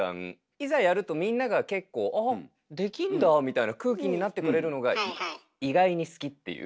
いざやるとみんなが結構「あっできんだ」みたいな空気になってくれるのが意外に好きっていう。